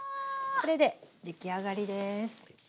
これで出来上がりです。